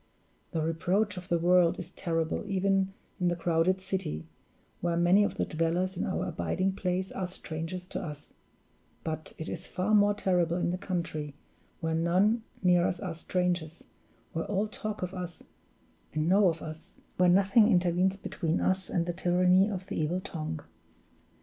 The reproach of the world is terrible even in the crowded city, where many of the dwellers in our abiding place are strangers to us but it is far more terrible in the country, where none near us are strangers, where all talk of us and know of us, where nothing intervenes between us and the tyranny of the evil tongue.